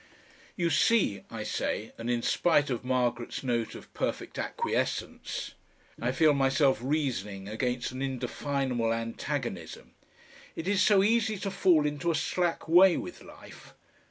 "You see," I say, and in spite of Margaret's note of perfect acquiescence I feel myself reasoning against an indefinable antagonism, "it is so easy to fall into a slack way with life.